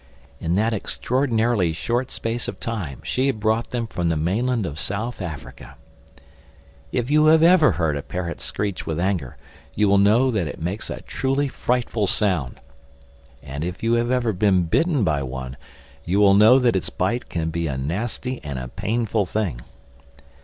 In that extraordinarily short space of time she had brought them from the mainland of South America. If you have ever heard a parrot screech with anger you will know that it makes a truly frightful sound; and if you have ever been bitten by one, you will know that its bite can be a nasty and a painful thing.